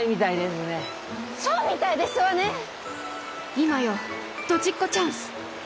今よドジっ子チャンス！